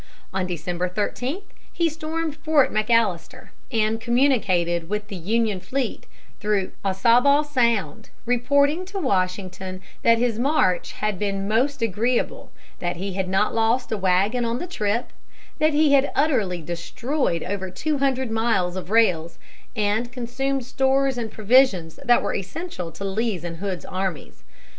On December 13, he stormed Fort McAllister, and communicated with the Union fleet through Ossabaw Sound, reporting to Washington that his march had been most agreeable, that he had not lost a wagon on the trip, that he had utterly destroyed over two hundred miles of rails, and consumed stores and provisions that were essential to Lee's and Hood's armies.